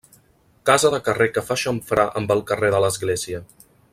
Casa de carrer que fa xamfrà amb el carrer de l'església.